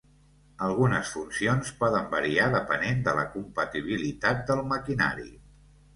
Algunes funcions poden variar depenent de la compatibilitat del maquinari.